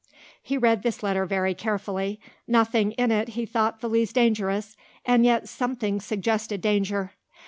He read this letter very carefully. Nothing in it he thought the least dangerous, and yet something suggested danger.